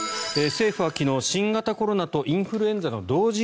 政府は昨日新型コロナとインフルエンザの同時